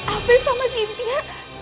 afif sama sintia